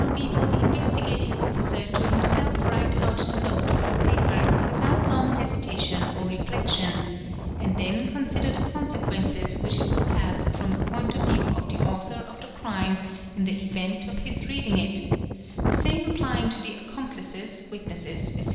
be for the Investigating Officer to himself write out the note for the paper without long hesitation or reflection ; and then consider the conse quences which it will have from the point of view of the 'author of the crime in the event of his reading it, the same applying to the accomplices, : witnesses, etc.